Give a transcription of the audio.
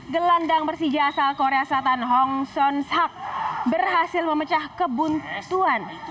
gelandang persija asal korea selatan hong son sak berhasil memecah kebuntuan